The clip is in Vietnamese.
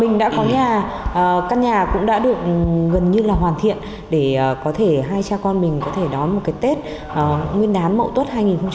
mình đã có nhà căn nhà cũng đã được gần như là hoàn thiện để có thể hai cha con mình có thể đón một cái tết nguyên đán mậu tuất hai nghìn hai mươi bốn